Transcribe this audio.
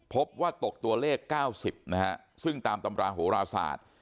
พบว่าตกตัวเลข๙๐นะฮะซึ่งตามตำราโหราศาสตร์